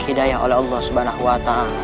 hidayah oleh allah swt